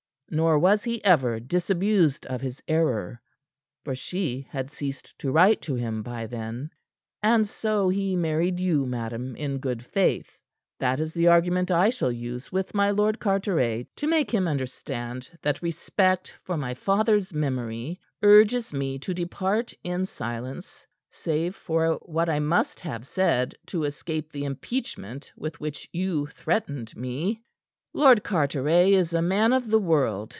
Nor was he ever disabused of his error. For she had ceased to write to him by then. And so he married you, madam, in good faith. That is the argument I shall use with my Lord Carteret to make him understand that respect for my father's memory urges me to depart in silence save for what I must have said to escape the impeachment with which you threatened me." "Lord Carteret is a man of the world.